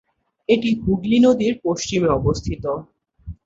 এটি হুগলি নদীর পশ্চিমে অবস্থিত।